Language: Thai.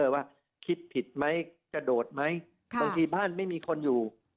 ว่าคิดผิดไหมจะโดดไหมบางทีบ้านไม่มีคนอยู่